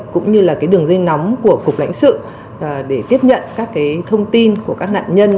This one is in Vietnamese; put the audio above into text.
cũng như là đường dây nóng của cục lãnh sự để tiếp nhận các thông tin của các nạn nhân